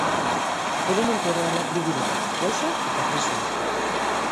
Elementu errealak bi dira: gauza eta prezioa.